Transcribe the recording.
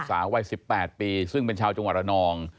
สาววัย๑๘ปีซึ่งเป็นชาวจังหวัดระนอง